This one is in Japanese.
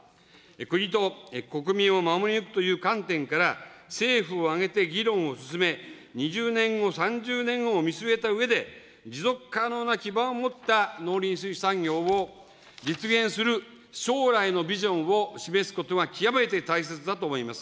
国と国民を守り抜くという観点から、政府を挙げて議論を進め、２０年後、３０年後を見据えたうえで、持続可能な基盤を持った農林水産業を実現する将来のビジョンを示すことが極めて大切だと思います。